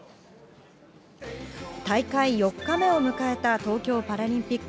大会４日目を迎えた東京パラリンピック。